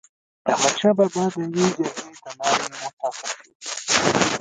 احمد شاه بابا د يوي جرګي د لاري و ټاکل سو.